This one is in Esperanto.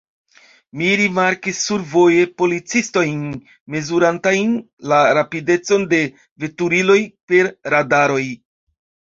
Mi rimarkis survoje policistojn mezurantajn la rapidecon de veturiloj per radaroj.